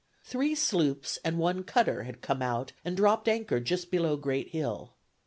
Three sloops and one cutter had come out and dropped anchor just below Great Hill.